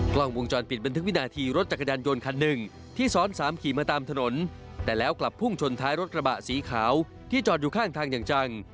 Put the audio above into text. กล้องวงจรปิดบันทึกวินาทีรถจักรยานยนต์คันหนึ่งที่ซ้อนสามขี่มาตามถนนแต่แล้วกลับพุ่งชนท้ายรถกระบะสีขาวที่จอดอยู่ข้างทางอย่างจัง